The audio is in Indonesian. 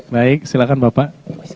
baik silahkan bapak